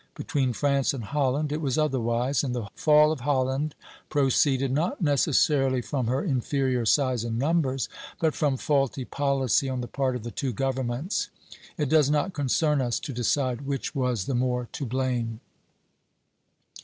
Between France and Holland it was otherwise; and the fall of Holland proceeded, not necessarily from her inferior size and numbers, but from faulty policy on the part of the two governments. It does not concern us to decide which was the more to blame.